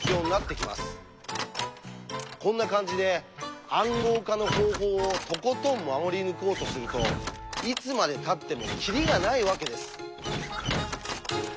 こんな感じで「暗号化の方法」をとことん守り抜こうとするといつまでたってもキリがないわけです。